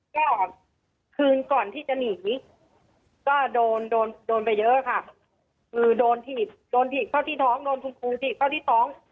ก็คือก่อนที่จะหนีก็โดนไปเยอะค่ะคือโดนผิดเข้าที่ท้องโดนทุกผิดเข้าที่ท้อง